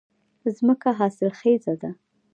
ځمکه حاصلخېزه ده